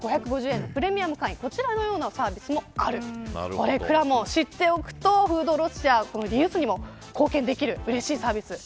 これ知っておくとフードロスやリユースにも貢献できるうれしいサービスだ。